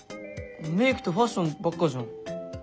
メークとファッションばっかじゃん。